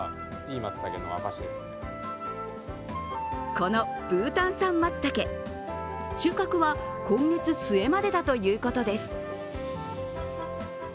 このブータン産まつたけ、収穫は今月末までだということです。